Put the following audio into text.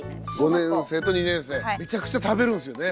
めちゃくちゃ食べるんすよね？